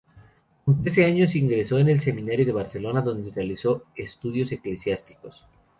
Con trece años ingresó en el seminario de Barcelona, donde realizó estudios eclesiásticos.